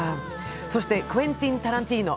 そしてクエンティン・タランティーノ。